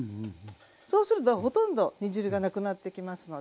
そうするとほとんど煮汁がなくなってきますので。